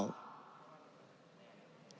นโยบายเอื้อประโยชนายทุนหรือเปล่า